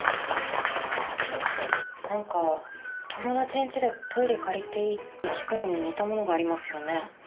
何か友達ん家で「トイレ借りていい？」って聞くのに似たものがありますよね。